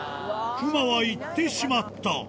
熊は行ってしまった。